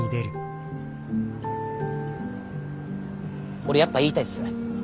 俺やっぱ言いたいっす。